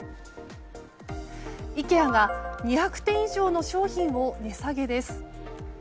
イケアが２００点以上の商品を値下げです。